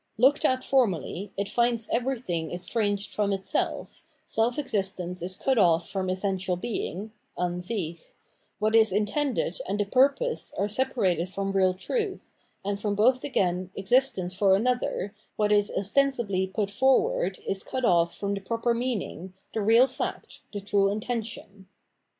Looked at formally it finds everything estranged from itself, self existence is cut off from essential being {Ansich), what is intended and the purpose are separated from real truth, and from both again existence for another, what is ostensibly put forward is cut off from the proper meaning, the real fact, the true intention.